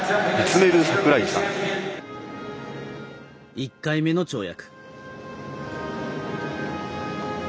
１回目の跳躍。